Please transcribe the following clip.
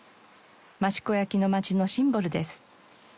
益子焼の町のシンボルです。